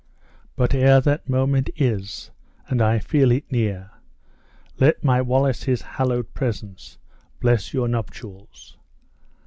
But ere that moment is and I feel it near let my Wallace's hallowed presence bless your nuptials!